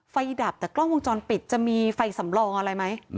ดับแต่กล้องวงจรปิดจะมีไฟสำรองอะไรไหม